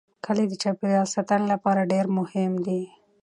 کلي د چاپیریال ساتنې لپاره ډېر مهم دي.